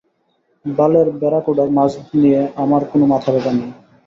বালের ব্যারাকুডা মাছ নিয়ে আমার কোন মাথাব্যথা নেই।